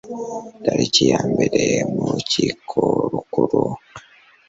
tariki ya mbere mu rukiko rukuru